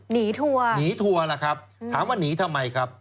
ทัวร์หนีทัวร์ล่ะครับถามว่าหนีทำไมครับ